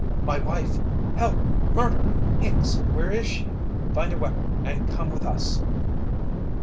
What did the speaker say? "My wife! Help! Murder! Hicks, where is she? Find a weapon and come with us!"